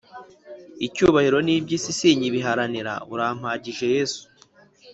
Icyubahiro n’ibyisi sinkibimaranira urampagije yesu